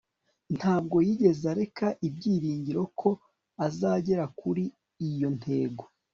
Ntabwo yigeze areka ibyiringiro ko azagera kuri iyo ntego